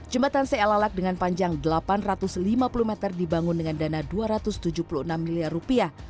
jembatan sealalak dengan panjang delapan ratus lima puluh meter dibangun dengan dana dua ratus tujuh puluh enam miliar rupiah